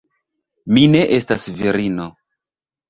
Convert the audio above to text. Mi ne estas virino.